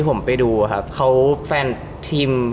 ที่ผมไปดูอะครับ